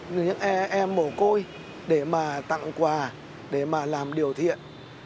những em mổ côi để mà tặng quà để mà làm điều thiện